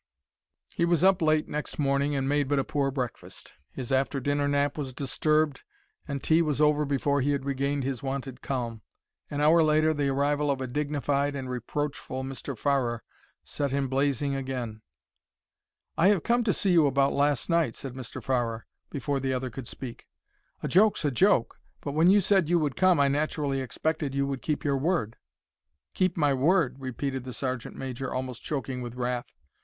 He was up late next morning, and made but a poor breakfast. His after dinner nap was disturbed, and tea was over before he had regained his wonted calm. An hour later the arrival of a dignified and reproachful Mr. Farrer set him blazing again. "I have come to see you about last night," said Mr. Farrer, before the other could speak. "A joke's a joke, but when you said you would come I naturally expected you would keep your word." "Keep my word?" repeated the sergeant major, almost choking with wrath.